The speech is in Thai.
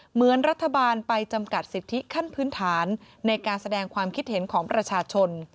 เหมือนรัฐบาลไปจำกัดสิทธิขั้นพื้นฐานในการแสดงความคิดเห็นของประชาชน